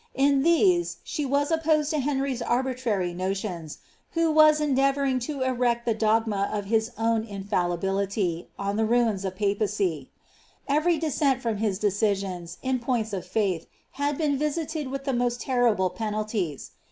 In these she was opposed to Henry's arbitrary no tions, who was endeavouring to erect the dogma of his own infallibility, on the ruins of papacy. Every dissent from his decisions, in points of fiuth, had been visited with the most terrible penalties.